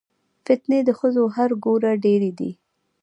فتنې د ښځو هر ګوره ډېرې دي